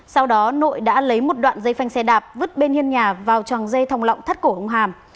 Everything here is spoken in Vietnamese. sau đó nội đã lấy một đoạn dây phanh xe đạp vứt bên hân nhà vào tròng dây thòng lọng thắt cổ ông hàm